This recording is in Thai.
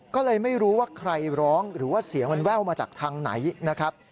ก็เลยไม่รู้ว่าใครร้องหรือว่าเสียงมันแว่วมาจากทางไหนนะครับ